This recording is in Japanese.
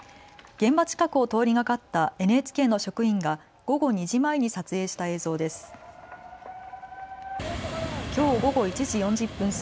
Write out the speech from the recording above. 現場近くを通りがかったＮＨＫの職員が午後２時前に撮影した映像です。